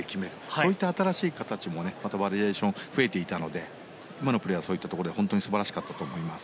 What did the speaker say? そういった新しい形もまたバリエーションが増えていたので今のプレーはそういったところで本当に素晴らしかったと思います。